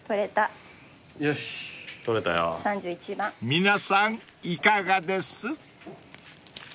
［皆さんいかがです？］